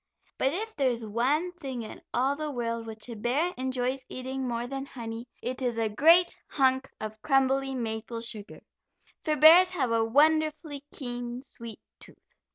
But if there is one thing in all the world which a bear enjoys eating more than honey, it is a great hunk of crumbly maple sugar, for bears have a wonderfully keen sweet tooth.